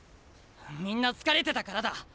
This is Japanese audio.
みんな疲れてたからだ。